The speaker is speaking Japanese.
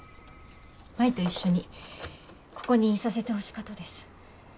舞と一緒にここにいさせてほしかとです。